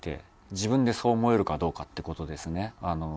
自分でそう思えるかどうかって事ですね。